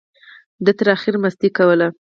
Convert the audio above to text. ده تر اخره مستۍ کولې.